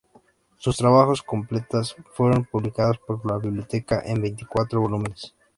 Sus obras completas fueron publicadas por la Biblioteca en veinticuatro volúmenes.